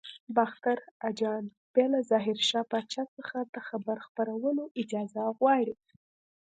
باختر اجان بیا له ظاهر شاه پاچا څخه د خبر خپرولو اجازه غواړي.